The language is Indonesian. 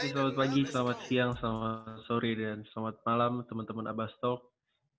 selamat pagi selamat siang selamat sore dan selamat malam temen temen abastalk